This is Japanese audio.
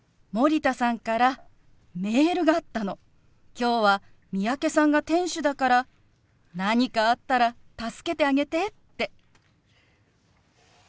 今日は三宅さんが店主だから何かあったら助けてあげてって。